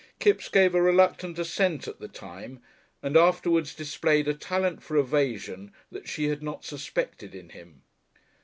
Kipps gave a reluctant assent at the time and afterwards displayed a talent for evasion that she had not suspected in him.